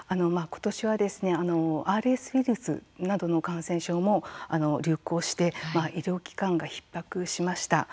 今年はＲＳウイルスなどの感染症も流行して医療機関がひっ迫しました。